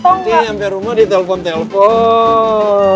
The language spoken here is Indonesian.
nanti nyampir rumah ditelepon telepon